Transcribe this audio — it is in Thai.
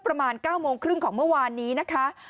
ประมาณ๙โมงครึ่งของเมื่อวานนี้นะคะ